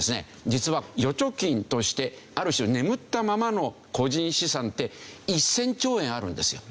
実は預貯金としてある種眠ったままの個人資産って１０００兆円あるんですよ。